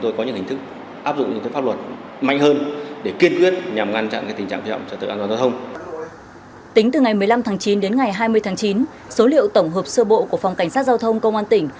tính từ ngày một mươi năm tháng chín đến ngày hai mươi tháng chín số liệu tổng hợp sơ bộ của phòng cảnh sát giao thông công an tỉnh